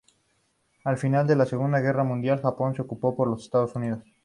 Al finalizar la Segunda Guerra Mundial, Japón es ocupado por los Estados Unidos.